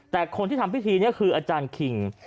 แต่คนที่ทำพิธีนี้คืออาจารย์คิง